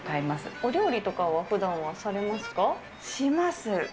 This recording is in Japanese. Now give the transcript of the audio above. お料理とかはふだんはされまします。